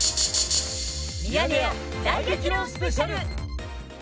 ミヤネ屋大激論スペシャル。